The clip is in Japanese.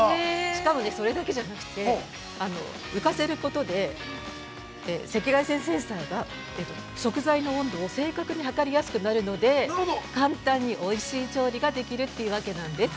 ◆しかもそれだけじゃなくて、浮かせることで、赤外線センサーが、食材の温度を正確にはかりやすくなるので、簡単に、おいしい調理ができるというわけなんです。